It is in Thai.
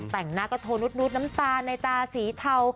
แต่งหน้าก็โทนุดน้ำตาในตาสีเทา